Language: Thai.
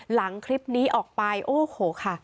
หลังคลิปนี้ออกไปโอ้โหค่ะ